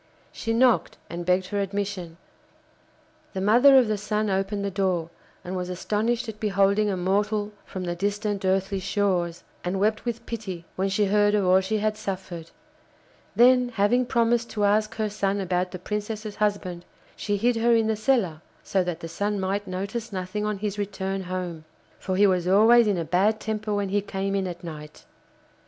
She knocked and begged for admission. The mother of the Sun opened the door, and was astonished at beholding a mortal from the distant earthly shores, and wept with pity when she heard of all she had suffered. Then, having promised to ask her son about the Princess's husband, she hid her in the cellar, so that the Sun might notice nothing on his return home, for he was always in a bad temper when he came in at night.